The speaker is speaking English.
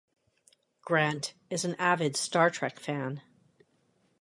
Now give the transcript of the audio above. Grant is an avid Star Trek fan.